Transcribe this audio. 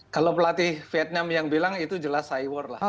kalau pelatih vietnam yang bilang itu jelas cy war lah